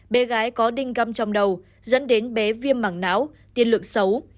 bé gái có đinh găm trong đầu dẫn đến bé viêm mảng não tiên lượng xấu